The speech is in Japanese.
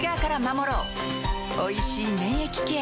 おいしい免疫ケア